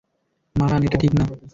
মারান, এটা ঠিক না।